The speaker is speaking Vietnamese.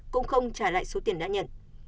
cũng không trả lại số tiền đã nhận